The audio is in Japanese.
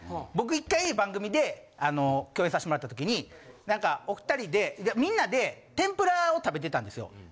僕１回番組で共演さしてもらった時にお２人でみんなで天ぷらを食べてたんですよ。